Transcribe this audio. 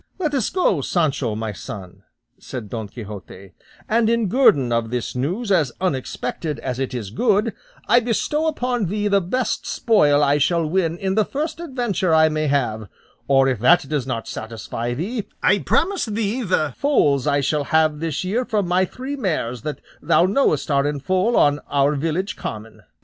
"Let us go, Sancho, my son," said Don Quixote, "and in guerdon of this news, as unexpected as it is good, I bestow upon thee the best spoil I shall win in the first adventure I may have; or if that does not satisfy thee, I promise thee the foals I shall have this year from my three mares that thou knowest are in foal on our village common."